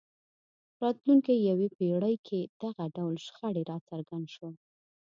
راتلونکې یوې پېړۍ کې دغه ډول شخړې راڅرګند شول.